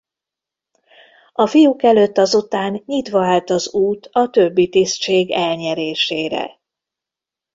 A fiúk előtt azután nyitva állt az út a többi tisztség elnyerésére.